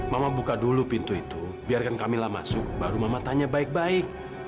mama buka dulu pintu itu biarkan kamilah masuk baru mamatanya baik baik